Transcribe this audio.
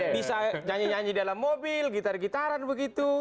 bisa nyanyi nyanyi dalam mobil gitar gitaran begitu